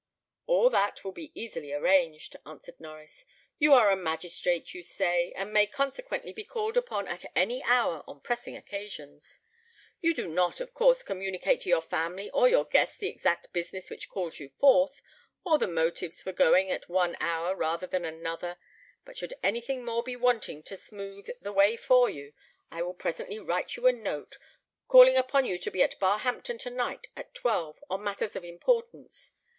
"All that will be easily arranged," answered Norries. "You are a magistrate, you say, and may consequently be called upon at any hour on pressing occasions. You do not, of course, communicate to your family or your guests the exact business which calls you forth, or the motives for going at one hour rather than another; but should anything more be wanting to smoothe the way for you, I will presently write you a note, calling upon you to be at Barhampton to night at twelve, on matters of importance.